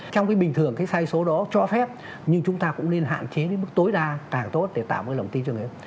trong cái bình thường cái sai số đó cho phép nhưng chúng ta cũng nên hạn chế đến mức tối đa càng tốt để tạo cái lòng tin cho người